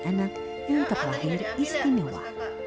anak yang terlahir istimewa